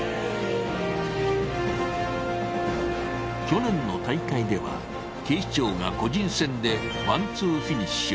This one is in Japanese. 去年の大会では警視庁が個人戦で１２フィニッシュ。